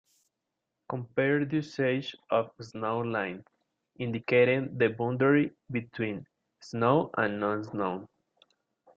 Compare the usage of "snow line" indicating the boundary between snow and non-snow.